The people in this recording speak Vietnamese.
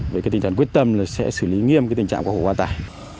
với cái tình trạng quyết tâm là sẽ xử lý nghiêm cái tình trạng của quả tải